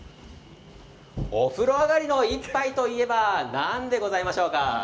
お風呂上がりの１杯といえば何でしょうか。